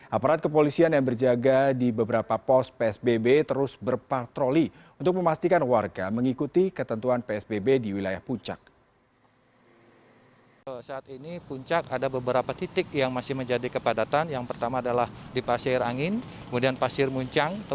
aparat kepolisian yang berjaga di beberapa pos psbb terus berpatroli untuk memastikan warga mengikuti ketentuan psbb di wilayah puncak